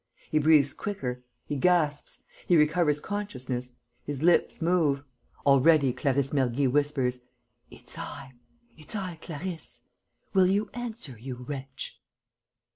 He breathes quicker.... He gasps.... He recovers consciousness ... his lips move.... Already, Clarisse Mergy whispers, 'It's I ... it's I, Clarisse.... Will you answer, you wretch?